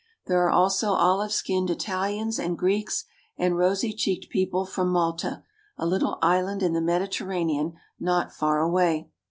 There are also olive skinned Italians and Greeks and rosy cheeked people from Malta, a little island in the Mediterranean not far away.